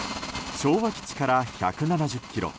昭和基地から１７０ｋｍ